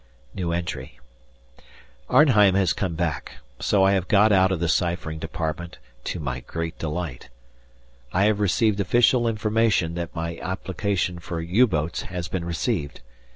Arnheim has come back, so I have got out of the ciphering department, to my great delight. I have received official information that my application for U boats has been received.